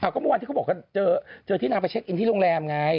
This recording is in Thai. ก็เมื่อวานที่เขาบอกว่าเจอที่นางไปเช็คอินที่โรงแรมไง